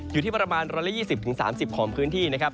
อยู่ที่ประมาณ๑๒๐๓๐ของพื้นที่นะครับ